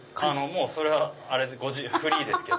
それはフリーですけど。